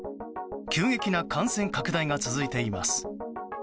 急激な感染拡大が続いています。